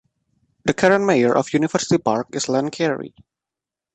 The current mayor of University Park is Len Carey.